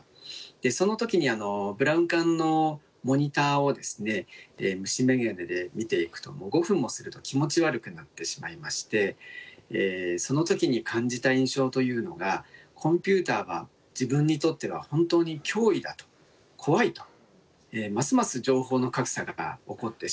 その時にブラウン管のモニターをですね虫眼鏡で見ていくと５分もすると気持ち悪くなってしまいましてその時に感じた印象というのがコンピューターは自分にとっては本当に脅威だと怖いとますます情報の格差が起こってしまう。